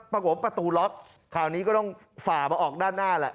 ประตูล็อกคราวนี้ก็ต้องฝ่ามาออกด้านหน้าแหละ